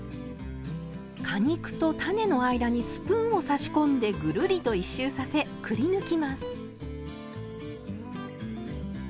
果肉と種の間にスプーンを差し込んでぐるりと１周させくりぬきます。